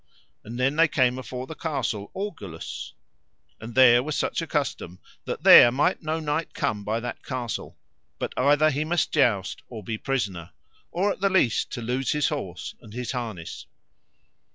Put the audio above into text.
And then they came afore the Castle Orgulous, and there was such a custom that there might no knight come by that castle but either he must joust or be prisoner, or at the least to lose his horse and his harness.